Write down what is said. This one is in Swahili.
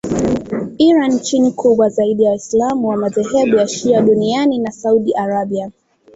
Iran nchi kubwa zaidi ya waislamu wa madhehebu ya shia duniani na Saudi Arabia